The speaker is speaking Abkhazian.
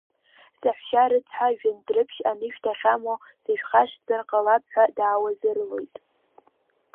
Саҳәшьа рыцҳа, Жәындәрыԥшь анышә дахьамоу, сышәхашҭӡазар ҟалап ҳәа даауазырлоит.